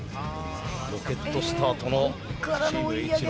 ロケットスタートのチームＨ野。